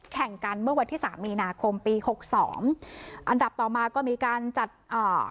แข่งกันเมื่อวันที่สามมีนาคมปีหกสองอันดับต่อมาก็มีการจัดอ่า